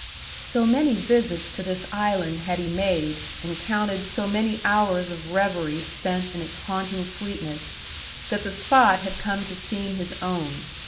So many visits to this island had he made, and counted so many hours of revery spent in its haunting sweetness, that the spot had come to seem his own.